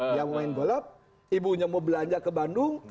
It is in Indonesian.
dia mau main golop ibunya mau belanja ke bandung